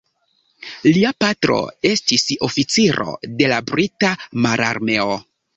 Lia patro estis oficiro de la brita mararmeo.